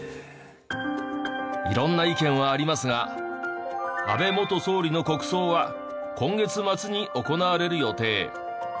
色んな意見はありますが安倍元総理の国葬は今月末に行われる予定。